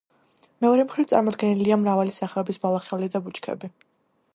მეორე მხრივ, წარმოდგენილია მრავალი სახეობის ბალახეული და ბუჩქები.